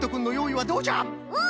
うん！